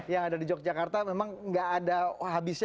yang ada di yogyakarta memang nggak ada habisnya